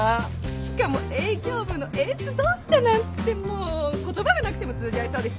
しかも営業部のエース同士だなんてもう言葉がなくても通じ合えそうですよね。